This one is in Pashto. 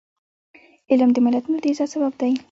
علم د ملتونو د عزت سبب دی.